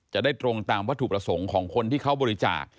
จะได้ตรงตามวัตถุประสงค์ของคนที่เขาบริจาค